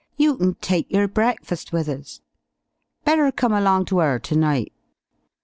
You kin take yer breakfast with us. Better come along to 'er ternight."